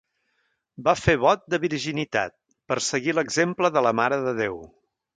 Va fer vot de virginitat, per seguir l'exemple de la Mare de Déu.